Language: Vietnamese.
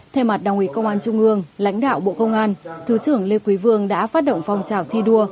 thay mặt đảng ủy công an trung ương lãnh đạo bộ công an thứ trưởng lê quý vương đã phát động phong trào thi đua